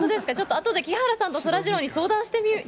あとで木原さんとそらジローに相談してみる。